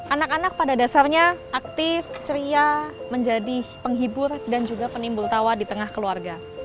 anak anak pada dasarnya aktif ceria menjadi penghibur dan juga penimbul tawa di tengah keluarga